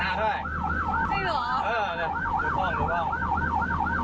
อันนี้ก็ขับหนึ่งเลย